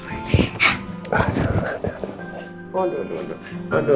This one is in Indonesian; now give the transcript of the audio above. aduh aduh aduh